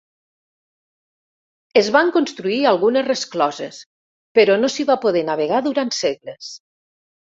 Es van construir algunes rescloses, però no s'hi va poder navegar durant segles.